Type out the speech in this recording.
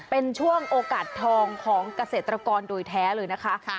เป็นช่วงโอกาสทองของเกษตรกรโดยแท้เลยนะคะ